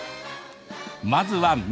まずは、実。